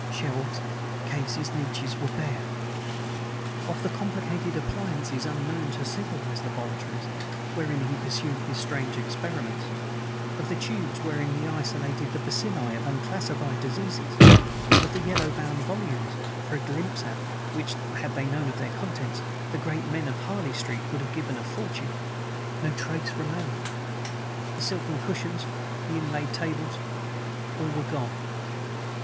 Shelves cases niches were bare. Of the complicated appliances unknown to civilized laboratories, wherewith he pursued his strange experiments, of the tubes wherein he isolated the bacilli of unclassified diseases, of the yellow bound volumes for a glimpse at which (had they known of their contents) the great men of Harley Street would have given a fortune no trace remained. The silken cushions; the inlaid tables; all were gone.